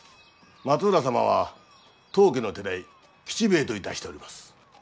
松浦様は当家の手代吉兵衛といたしております。